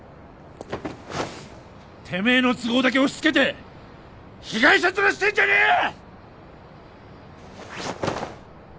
てめえの都合だけ押しつけて被害者ヅラしてんじゃねえよ！